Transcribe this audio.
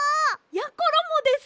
やころもです！